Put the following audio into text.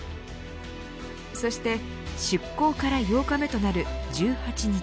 そして出港から８日目となる１８日。